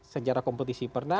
sejarah kompetisi pernah